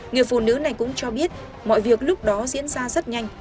người phụ nữ này cũng cho biết mọi việc lúc đó diễn ra rất nhanh